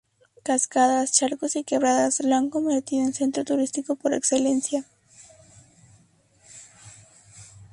Cascadas, charcos y quebradas, lo han convertido en Centro Turístico por excelencia.